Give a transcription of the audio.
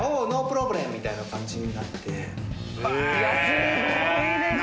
すごいですね。